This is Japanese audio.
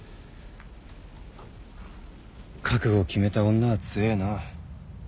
覚悟を決めた女は強えな。